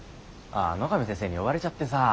ああ野上先生に呼ばれちゃってさ。